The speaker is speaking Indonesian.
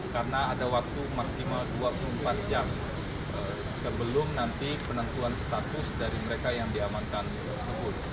karena ada waktu maksimal dua puluh empat jam sebelum nanti penentuan status dari mereka yang diamankan tersebut